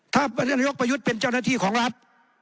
ถ้าท่านนายกประยุทธ์เป็นเจ้าหน้าที่ของรัฐ